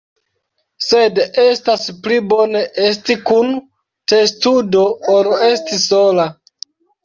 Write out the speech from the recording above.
Sed estas pli bone esti kun testudo ol esti sola.